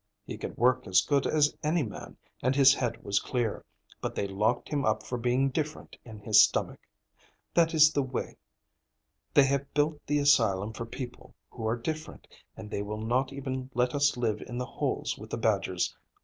He could work as good as any man, and his head was clear, but they locked him up for being different in his stomach. That is the way; they have built the asylum for people who are different, and they will not even let us live in the holes with the badgers.